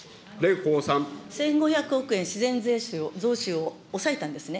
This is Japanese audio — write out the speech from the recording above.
１５００億円、自然増収を抑えたんですね。